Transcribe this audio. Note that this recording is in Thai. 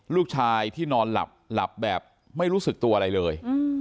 ลูกชายที่นอนหลับหลับแบบไม่รู้สึกตัวอะไรเลย